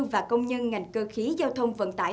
và công nhân ngành cơ khí giao thông vận tải